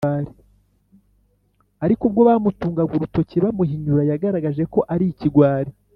ariko ubwo bamutungaga urutoki bamuhinyura, yagaragaje ko ari ikigwari